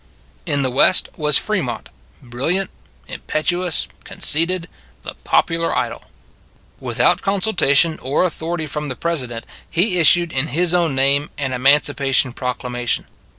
In the West was Fremont, brilliant, im petuous, conceited the popular idol. Without consultation or authority from the President, he issued in his own name an Emancipation Proclamation.